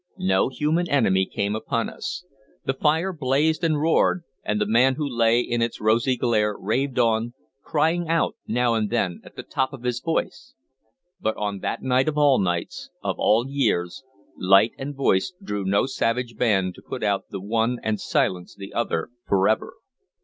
No human enemy came upon us. The fire blazed and roared, and the man who lay in its rosy glare raved on, crying out now and then at the top of his voice; but on that night of all nights, of all years, light and voice drew no savage band to put out the one and silence the other forever.